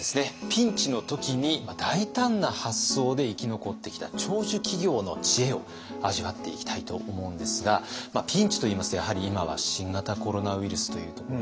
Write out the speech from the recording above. ピンチの時に大胆な発想で生き残ってきた長寿企業の知恵を味わっていきたいと思うんですがピンチといいますとやはり今は新型コロナウイルスというところでしょうね。